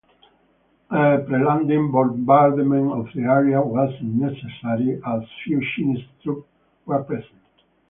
A pre-landing bombardment of the area was unnecessary as few Chinese troops were present.